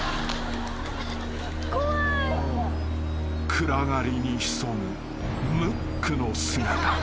［暗がりに潜むムックの姿が］